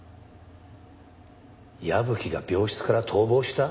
矢吹が病室から逃亡した？